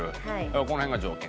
この辺が条件？